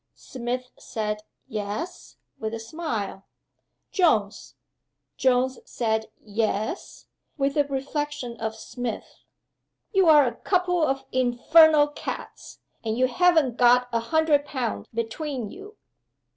Smith said "Yes?" with a smile. "Jones!" Jones said "Yes?" with a reflection of Smith. "You're a couple of infernal cads and you haven't got a hundred pound between you!"